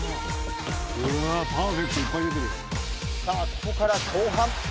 さあここから後半。